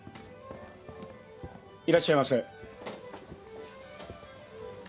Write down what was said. いらっしゃいませ。